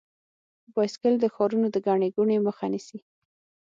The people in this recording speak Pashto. بایسکل د ښارونو د ګڼې ګوڼې مخه نیسي.